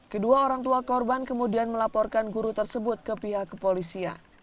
kedua orang tua korban kemudian melaporkan guru tersebut ke pihak kepolisian